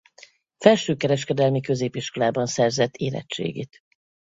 Felső kereskedelmi középiskolában szerzett érettségit.